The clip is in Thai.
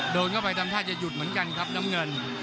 โดนเข้าไปทำท่าจะหยุดเหมือนกันครับน้ำเงิน